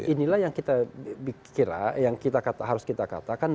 inilah yang kita kira yang harus kita katakan